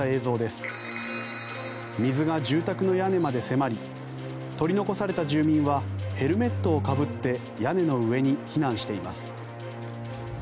水が住宅の屋根まで迫り取り残された住民はヘルメットをかぶって屋根の上に避難しています。